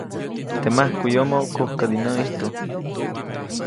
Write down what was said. Teʼ majkuʼyomo, kujkädi näʼ ʼijtu.